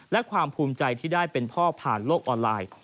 และความภูมิใจที่ได้เป็นพ่อผ่านโลกออนไลน์